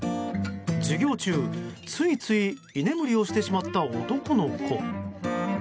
授業中、ついつい居眠りをしてしまった男の子。